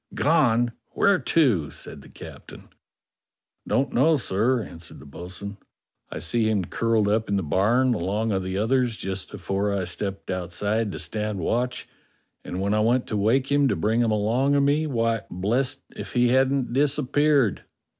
" Gone? Where to? " said the captain. " Don't know, sir," answered the bo'sun. " I see him curled up in the barn along of the others just afore I stepped outside to stand watch, and when I went to wake him to bring him along of me, why, blest if he hadn't disappeared."